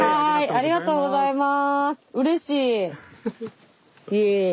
ありがとうございます。